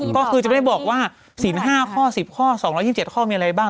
ก็คือจะไม่ได้บอกว่าศีล๕ข้อ๑๐ข้อ๒๒๗ข้อมีอะไรบ้าง